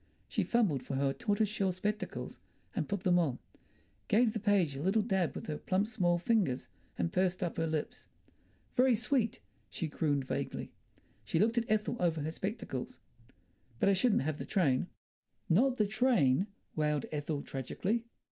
She fumbled for her tortoise shell spectacles and put them on, gave the page a little dab with her plump small fingers, and pursed up her lips. "Very sweet!" she crooned vaguely; she looked at Ethel over her spectacles. "But I shouldn't have the train." "Not the train!" wailed Ethel tragically.